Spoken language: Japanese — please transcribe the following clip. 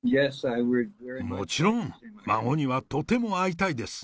もちろん、孫にはとても会いたいです。